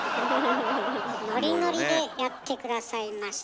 ノリノリでやって下さいました。